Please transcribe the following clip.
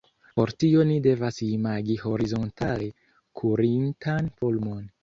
Por tio ni devas imagi horizontale kurintan fulmon.